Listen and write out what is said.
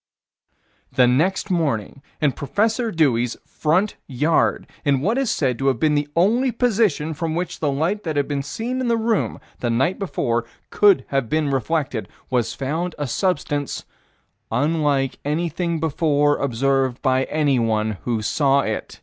The next morning, in Prof. Dewey's front yard, in what is said to have been the only position from which the light that had been seen in the room, the night before, could have been reflected, was found a substance "unlike anything before observed by anyone who saw it."